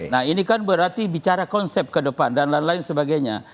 nah ini kan berarti bicara konsep ke depan dan lain lain sebagainya